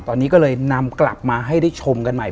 ตอนนี้ก็เลยนำกลับมาให้ได้ชมกันใหม่